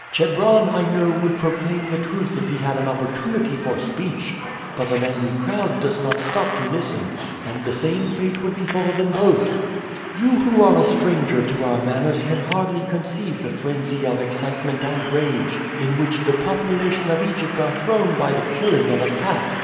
Chebron, I know, would proclaim the truth if he had an opportunity for speech, but an angry crowd does not stop to listen, and the same fate will befall them both. "You who are a stranger to our manners can hardly conceive the frenzy of excitement and rage in which the population of Egypt are thrown by the killing of a cat.